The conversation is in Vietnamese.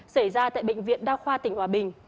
xảy ra tại bệnh viện đa khoa tỉnh hòa bình